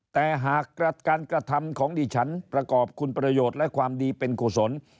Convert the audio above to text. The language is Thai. แต่หากการกระทำของดิฉันประกอบคุณประโยชน์และความดีเป็นกุศล